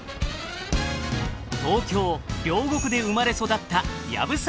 東京・両国で生まれ育った藪沢